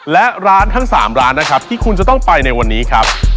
และร้านทั้ง๓ร้านนะครับที่คุณจะต้องไปในวันนี้ครับ